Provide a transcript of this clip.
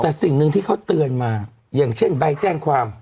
แต่สิ่งหนึ่งที่เขาเตือนมาอย่างเช่นใบแจ้งความ